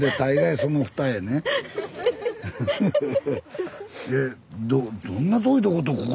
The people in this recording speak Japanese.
そんな遠いとことこ